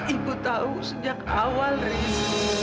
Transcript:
ibu tahu sejak awal rizky